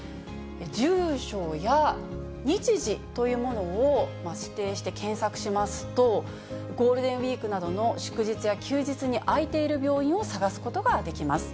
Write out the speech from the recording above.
住所や日時というものを指定して検索しますと、ゴールデンウィークなどの祝日や休日に開いている病院を探すことができます。